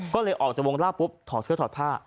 ก็เลยออกจากวงเล่าปุ๊บถอดเสื้อถอดผ้า